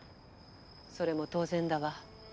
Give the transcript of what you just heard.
それも当然だわ。